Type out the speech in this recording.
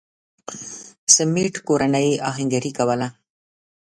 سمېت کورنۍ اهنګري کوله.